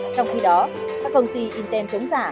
trong khi đó các công ty in tem chống giả